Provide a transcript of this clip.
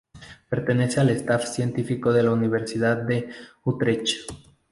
Pertenece al staff científico de la Universidad de Utrecht